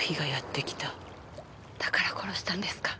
だから殺したんですか？